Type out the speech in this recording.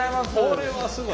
これはすごい。